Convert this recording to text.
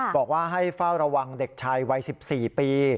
บอกว่าให้เฝ้าระวังเด็กชายวัย๑๔ปี